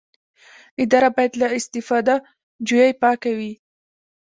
اداره باید له استفاده جویۍ پاکه وي.